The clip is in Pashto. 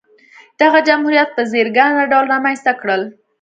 دغه جمهوریت په ځیرکانه ډول رامنځته کړل.